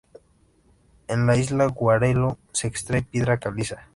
En la Isla Guarello se extrae piedra caliza.